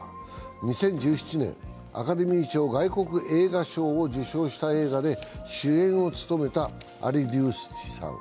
２０１７年、アカデミー賞・外国語映画賞を受賞した映画で主演を務めたアリドゥスティさん。